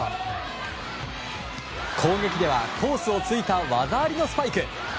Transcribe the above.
攻撃ではコースをついた技ありのスパイク！